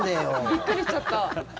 びっくりしちゃった。